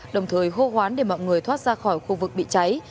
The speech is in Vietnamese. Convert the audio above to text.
đồng thời hô hoán để mọi người thoát ra khỏi khu vực bị cháy